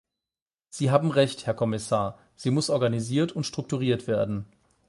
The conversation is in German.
Sie haben Recht, Herr Kommissar, sie muss organisiert und strukturiert werden.